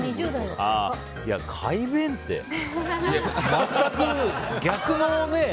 全く逆の。